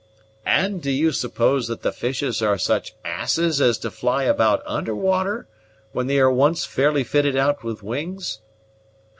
"And do you suppose that the fishes are such asses as to fly about under water, when they are once fairly fitted out with wings?"